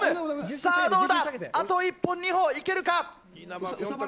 さあ、どうだ、あと一歩、二歩、いけるか。